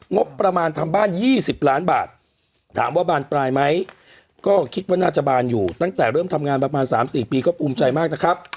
งบประมาณทำบ้าน๒๐ล้านบาทถามว่าบานปลายไหมก็คิดว่าน่าจะบานอยู่ตั้งแต่เริ่มทำงานประมาณ๓๔ปีก็ภูมิใจมากนะครับ